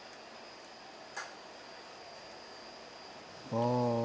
ああ。